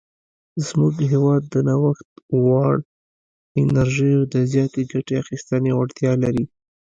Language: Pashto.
زموږ هیواد د نوښت وړ انرژیو د زیاتې ګټې اخیستنې وړتیا لري.